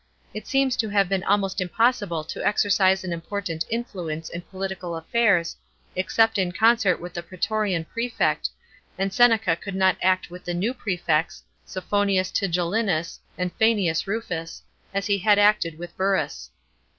It seems to have been almost impossible to exercise an important influence in political affairs, except in concert with the prsetorian prefect, and Seneca could not act with the new prefects, Sofonius Tigellinus and Fsenius Rufus, as he had acted with Burrus.